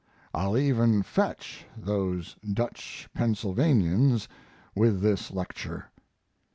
I'll even "fetch" those Dutch Pennsylvanians with this lecture.